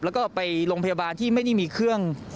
แล้วก็ไปโรงพยาบาลที่ไม่ได้มีเครื่อง